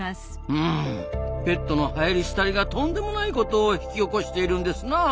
うんペットのはやりすたりがとんでもないことを引き起こしているんですな。